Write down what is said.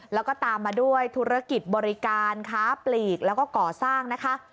แล้วก็ตามมาด้วยธุรกิจบริการค้าปลีกแล้วก็ก่อสร้างนะคะ